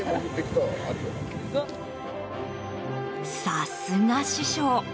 さすが師匠。